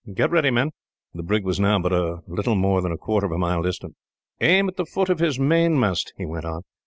"Get ready, men." The brig was now but a little more than a quarter of a mile distant. "Aim at the foot of his mainmast," he went on.